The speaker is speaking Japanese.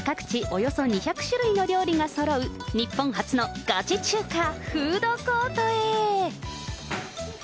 およそ２００種類の料理がそろう、日本初のガチ中華フードコートへ。